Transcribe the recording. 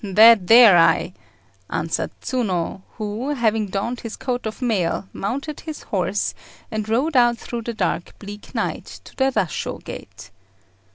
"That dare I," answered Tsuna, who, having donned his coat of mail, mounted his horse, and rode out through the dark bleak night to the Rashô gate.